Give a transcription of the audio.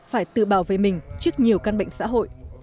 phải tự bảo vệ mình trước nhiều căn bệnh xã hội